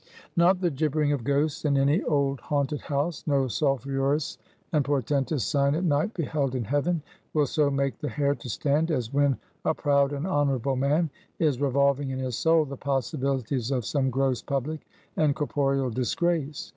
Not the gibbering of ghosts in any old haunted house; no sulphurous and portentous sign at night beheld in heaven, will so make the hair to stand, as when a proud and honorable man is revolving in his soul the possibilities of some gross public and corporeal disgrace.